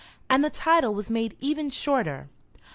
And the title was made even shorter.